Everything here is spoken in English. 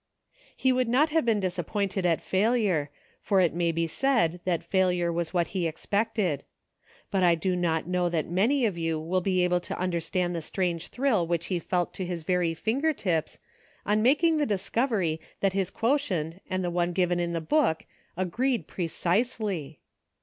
He would not have been disappointed at failure, for it may be said that failure was what he ex pected ; but I do not know that many of you will be able to understand the strange thrill which he felt to his very finger tips on making the discovery that his quotient and the one given in the book agreed precisely